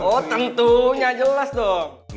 oh tentunya jelas dong